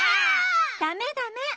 ダメダメッ！